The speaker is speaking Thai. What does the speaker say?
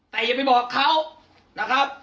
แต่อย่าไปบอกเขานะครับ